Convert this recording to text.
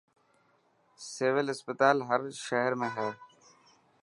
سول اسپتال هر شهر ۾ هي.